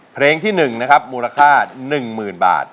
เพลงที่หนึ่งนะครับมูลค่าหนึ่งหมื่นบาท